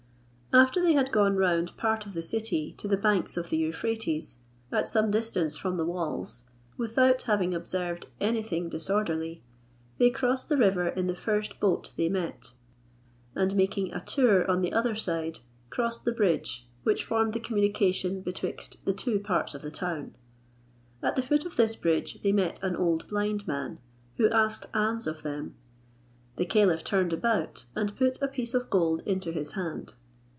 After they had gone round part of the city to the banks of the Euphrates, at some distance from the walls, without having observed anything disorderly, they crossed the river in the first boat they met, and making a tour on the other side, crossed the bridge, which formed the communication betwixt the two parts of the town. At the foot of this bridge they met an old blind man, who asked alms of them; the caliph turned about, and put a piece of gold into his hand.